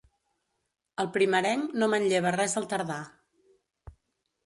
El primerenc no manlleva res al tardà.